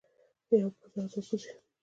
يوه پوزه او دوه پوزې